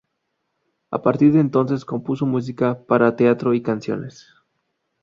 A partir de entonces compuso música para teatro y canciones.